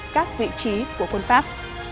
các vị trí của quân pháp